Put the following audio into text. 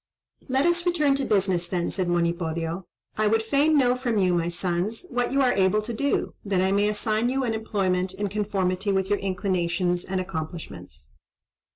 "Let us return to business, then," said Monipodio. "I would fain know from you, my sons, what you are able to do, that I may assign you an employment in conformity with your inclinations and accomplishments."